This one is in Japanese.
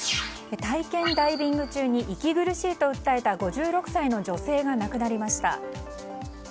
体験ダイビング中に息苦しいと訴えた５６歳の女性が亡くなりました。